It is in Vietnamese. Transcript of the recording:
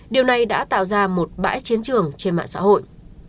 điều này đã tạo ra một bãi chiến trường trên mạng xã hội